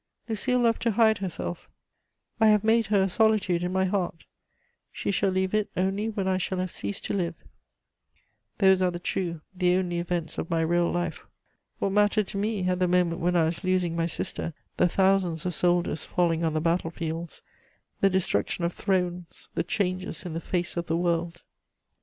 Lucile loved to hide herself; I have made her a solitude in my heart: she shall leave it only when I shall have ceased to live. Those are the true, the only events of my real life! What mattered to me, at the moment when I was losing my sister, the thousands of soldiers falling on the battlefields, the destruction of thrones, the changes in the face of the world?